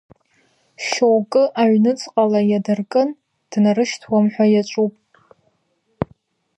Шьоукы аҩнуҵҟала иадыркын, днарышьҭуам ҳәа иаҿуп.